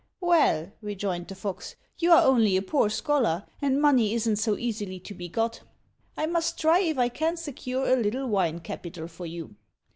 "Well," rejoined the fox, "you are only a poor scholar, and money isn't so easily to be got. I must try if I can't secure a little wine capital for you."